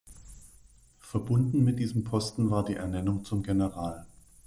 Verbunden mit diesem Posten war die Ernennung zum General.